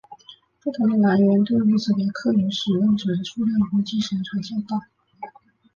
不同的来源对乌兹别克语使用者的数量估计相差较大。